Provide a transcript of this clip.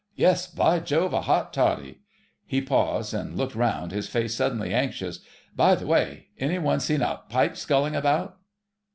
Yes, by Jove! a hot toddy——" He paused and looked round, his face suddenly anxious. "By the way, ... 'any one seen a pipe sculling about...?"